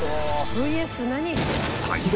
ＶＳ何？